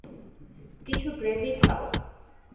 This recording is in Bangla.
কিছু গ্রেভি খাও।